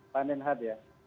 pandan hat ya